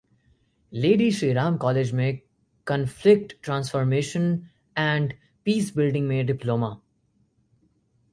lady Shriram college में conflict transformation and peacebuilding में diploma